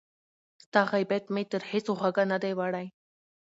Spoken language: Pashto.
ستا غیبت مي تر هیڅ غوږه نه دی وړی